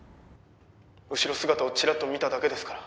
「後ろ姿をちらっと見ただけですから」